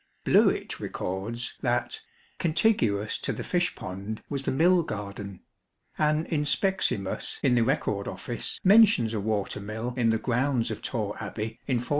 Bluett records that " contiguous to the fish pond was the mill garden." An " inspeximus " in the Record Office mentions a water mill in the grounds of Torre Abbey in 1473.